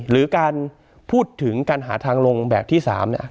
หรือการพูดถึงการหาทางลงแบบที่๓เนี่ย